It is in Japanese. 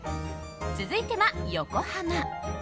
続いては、横浜。